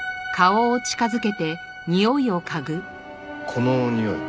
このにおい。